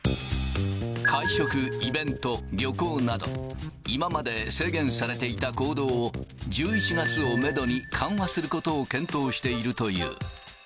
会食、イベント、旅行など、今まで制限されていた行動を、１１月をメドに緩和することを検討しているという。